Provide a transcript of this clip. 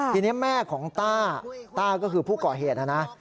ทีนี้แม่ของต้าต้าก็คือผู้ก่อเหตุนะนะ